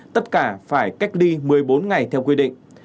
tất cả phải cách ly một mươi bốn ngày theo quy định